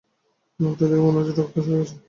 মুখটা দেখে মনে হচ্ছে রক্ত সরে গেছে।